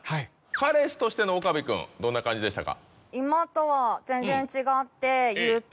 彼氏としての岡部君どんな感じでしたか？